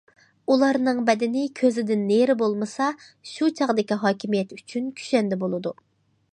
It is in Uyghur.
ئۇلارنىڭ بەدىنى كۆزىدىن نېرى بولمىسا، شۇ چاغدىكى ھاكىمىيەت ئۈچۈن كۈشەندە بولىدۇ.